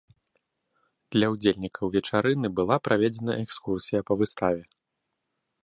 Для ўдзельнікаў вечарыны была праведзена экскурсія па выставе.